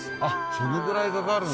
そのぐらいかかるんだ。